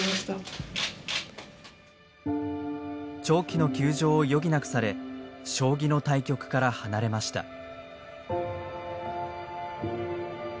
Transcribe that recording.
長期の休場を余儀なくされ将棋の対局から離れました。